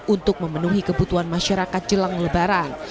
untuk memenuhi kebutuhan masyarakat jelang lebaran